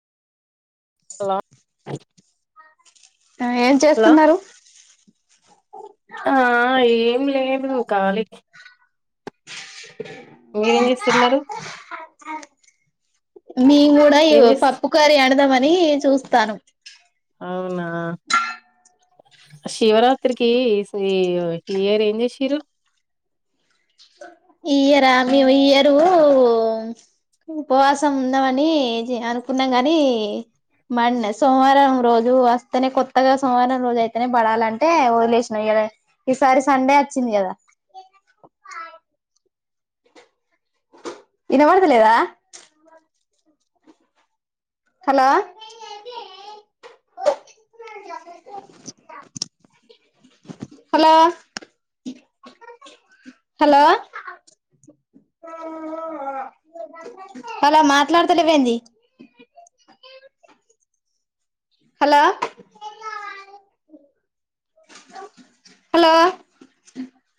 hello ఆ ఏం hello చేస్తున్నారు ఆ ఏం లేదు కాలి మీరేం చేస్తున్నారు మీము కూడా ఏం ఇగా చేస్త పప్పు కర్రీ వండుదామని అని చూస్తాను అవునా శివరాత్రికి ఈయర్ ఏం చేసిర్రు ఈయరా మేము ఇయరు ఉపవాసం ఉందామని అనుకున్నాం ని మ సోమవారం రోజు వస్తేనే కొత్తగా సోమవారం రోజు అయితేనే పడాలంటే వదిలేసినాం ఇ ఈసారి సండే వచ్చింది కదా వినబడతలేదా హలో హలో హలో హలో మాట్లాడతలేవంది హలో హలో